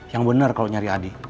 yang bener kalo nyari adi